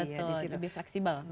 betul lebih fleksibel